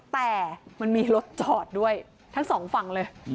แต่มันมีรถจอดด้วยทั้งสองฝั่งเลย